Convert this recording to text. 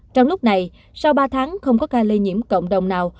trong lúc này sau ba tháng không có ca lây nhiễm cộng đồng nào